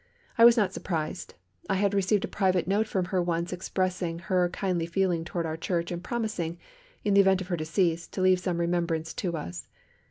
I was not surprised. I had received a private note from her once expressing her kindly feeling toward our Church and promising, in the event of her decease, to leave some remembrance to us.